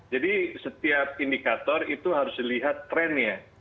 setiap indikator itu harus dilihat trennya